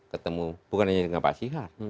ketemu bukan hanya dengan pak sihar